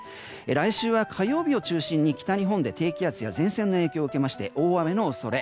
来週は火曜日を中心に北日本で低気圧や前線の影響を受けまして大雨の恐れ。